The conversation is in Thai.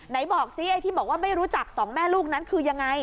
ไหนบอกซิไอ้ที่บอกว่าไม่รู้จักสองแม่ลูกนั้นคือยังไง